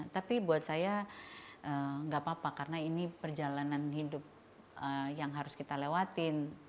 tapi buat saya nggak apa apa karena ini perjalanan hidup yang harus kita lewatin